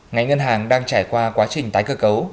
ngành ngân hàng đang trải qua quá trình tái cơ cấu